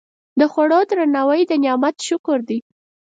د خوړو درناوی د نعمت شکر دی.